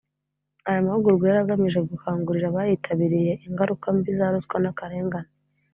aya mahugurwa yari agamije gukangurira abayitabiriye ingaruka mbi za ruswa n’akarengane